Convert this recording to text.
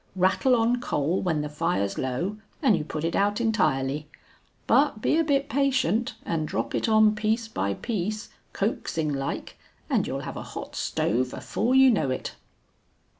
Rattle on coal when the fire's low and you put it out entirely; but be a bit patient and drop it on piece by piece, coaxing like, and you'll have a hot stove afore you know it."